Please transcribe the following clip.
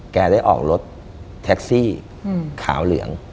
แกได้ออกรถแท็กซี่ขาวเหลือง